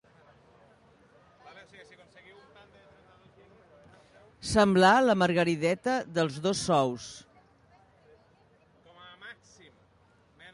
Semblar la Margarideta dels dos sous.